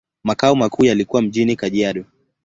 Makao makuu yalikuwa mjini Kajiado.